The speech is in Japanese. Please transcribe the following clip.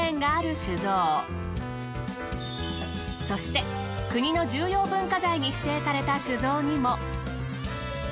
そして国の重要文化財に指定された酒蔵にも。